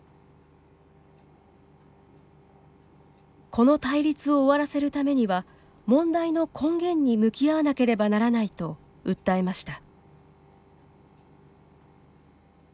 この対立を終わらせるためには問題の根源に向き合わなければならないと訴えました。